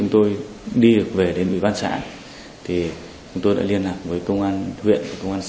nguyễn văn đạt